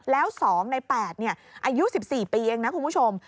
แล้ว๒ใน๘อายุ๑๔ปีเองนะคุณผู้ชม